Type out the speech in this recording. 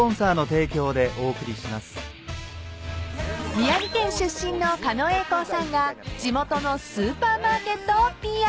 ［宮城県出身の狩野英孝さんが地元のスーパーマーケットをＰＲ］